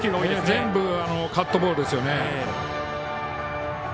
全部カットボールですよね。